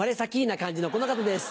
な感じのこの方です。